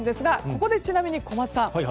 ここでちなみに小松さん